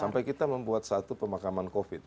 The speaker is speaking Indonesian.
sampai kita membuat satu pemakaman covid